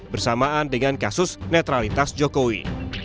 bersamaan dengan kasus netralitas jokowi